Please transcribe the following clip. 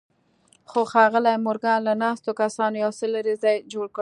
خو ښاغلي مورګان له ناستو کسانو یو څه لرې ځای جوړ کړ